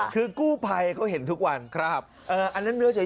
คือกู้ไพก็เห็นทุกวันอันนั้นเนื้อเฉย